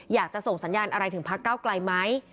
อยากจะส่งสัญญาณอะไรถึงพักเก้าไกลไหม